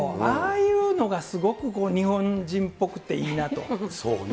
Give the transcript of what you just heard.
ああいうのがすごく日本人っぽくていいなと。